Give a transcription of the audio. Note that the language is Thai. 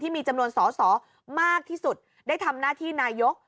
มีจำนวนสอสอมากที่สุดได้ทำหน้าที่นายก